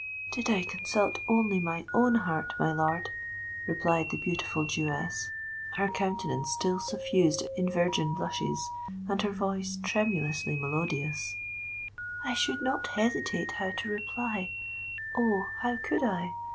"Did I consult only my own heart, my lord," replied the beautiful Jewess, her countenance still suffused in virgin blushes, and her voice tremulously melodious, "I should not hesitate how to reply—oh! how could I?